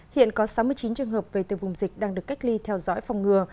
hiện có sáu mươi chín trường hợp về từ vùng dịch đang được cách ly theo dõi phòng ngừa